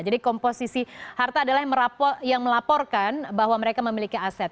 jadi komposisi harta adalah yang melaporkan bahwa mereka memiliki aset